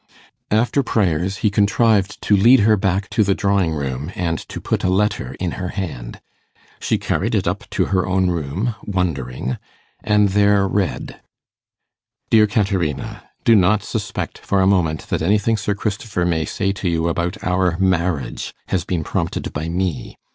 After prayers, he contrived to lead her back to the drawing room, and to put a letter in her hand. She carried it up to her own room, wondering, and there read 'DEAR CATERINA, Do not suspect for a moment that anything Sir Christopher may say to you about our marriage has been prompted by me.